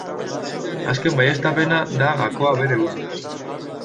Azken baieztapena da gakoa bere ustez.